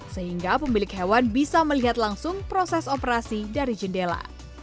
sehingga pemilik hewan bisa melihat langsung proses operasi dari jendela